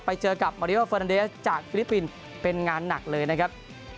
ไปเจอกับมาริโอเฟอร์นันเดสจากฟิลิปปินส์เป็นงานหนักเลยนะครับ